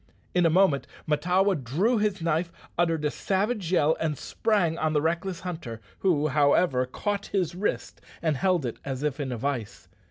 In a moment Mahtawa drew his knife, uttered a savage yell, and sprang on the reckless hunter, who, however, caught his wrist, and held it as if in a vice.